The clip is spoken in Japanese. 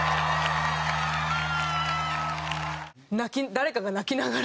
誰かが泣きながらって。